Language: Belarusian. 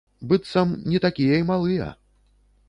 Быццам, не такія і малыя.